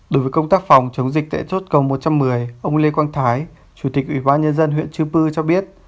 đối với công tác phòng chống dịch tại chốt cầu một trăm một mươi ông lê quang thái chủ tịch ủy ban nhân dân huyện chư pư cho biết